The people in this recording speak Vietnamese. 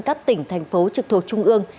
các tỉnh thành phố trực thuộc trung ương